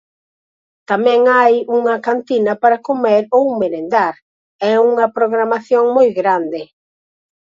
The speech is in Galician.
Tamén hai unha cantina para comer ou merendar...É unha programación moi grande.